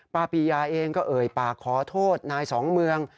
ปียาเองก็เอ่ยปากขอโทษนายสองเมือง